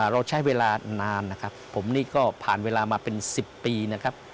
เราใช้เวลานานนะครับผมนี่ก็ผ่านเวลามาเป็น๑๐ปีนะครับ